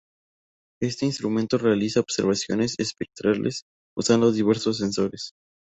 Este instrumento realizará observaciones espectrales usando diversos sensores.